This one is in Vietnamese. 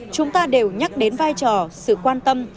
chúng ta đều nhắc đến vai trò sự quan tâm